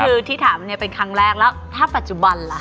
พี่อ๋อมไม่ได้ครับ